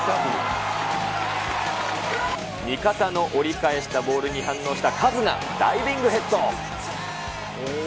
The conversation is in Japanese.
味方の折り返したボールに反応したカズが、ダイビングヘッド。